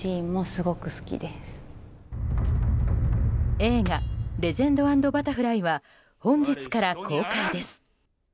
映画「レジェンド＆バタフライ」は本日から公開です。